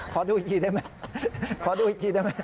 ขอดูอีกทีได้ไหม